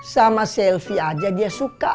sama selfie aja dia suka